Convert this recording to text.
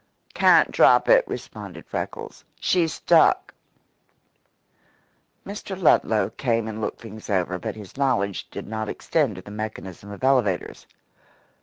"Can't drop it," responded Freckles. "She's stuck." Mr. Ludlow came and looked things over, but his knowledge did not extend to the mechanism of elevators.